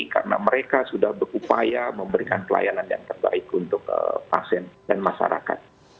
karena mereka sudah berupaya memberikan pelayanan yang terbaik untuk pasien dan masyarakat